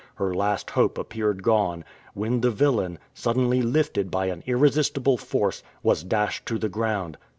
Her last hope appeared gone, when the villain, suddenly lifted by an irresistible force, was dashed to the ground.